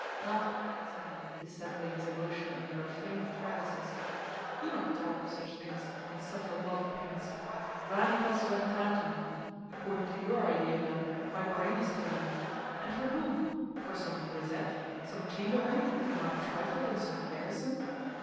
"Ah," said he, dissembling his emotion under a feigned carelessness, "do not talk of such things, and suffer love pains? Vanitas vanitatum! According to your idea, then, my brain is turned. And for whom—for some grisette, some chambermaid with whom I have trifled in some garrison?